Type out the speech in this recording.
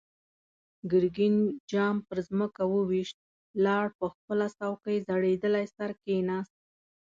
ګرګين جام پر ځمکه و ويشت، لاړ، په خپله څوکۍ زړېدلی سر کېناست.